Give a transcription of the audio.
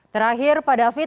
terakhir pak david